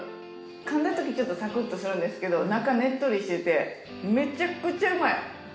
噛んだときちょっとサクッとするんですけど中ねっとりしててめちゃくちゃうまい！